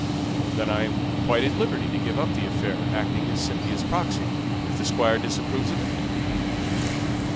"Then I'm quite at liberty to give up the affair, acting as Cynthia's proxy, if the Squire disapproves of it?"